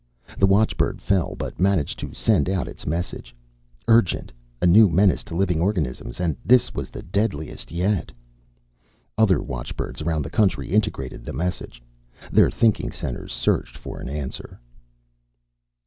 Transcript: The watchbird fell, but managed to send out its message. Urgent! A new menace to living organisms and this was the deadliest yet! Other watchbirds around the country integrated the message. Their thinking centers searched for an answer.